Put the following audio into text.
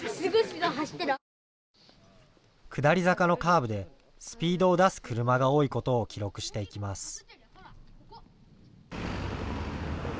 下り坂のカーブでスピードを出す車が多いことを記録していきます。